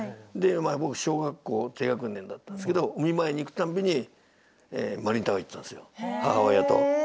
僕小学校低学年だったんですけどお見舞いに行く度にマリンタワー行ってたんですよ母親と。